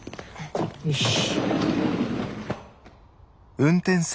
よし。